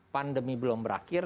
pandemi belum berakhir